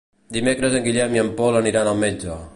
Dimecres en Guillem i en Pol aniran al metge.